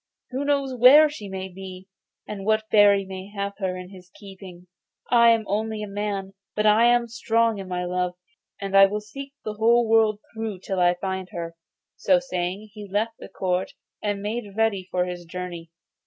Who knows where she may be, and what fairy may have her in his keeping? I am only a man, but I am strong in my love, and I will seek the whole world through till I find her.' So saying, he left the court, and made ready for his journey.